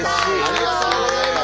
ありがとうございます。